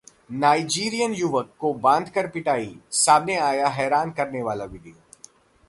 Nigerian युवक की बांधकर पिटाई, सामने आया हैरान करने वाला वीडियो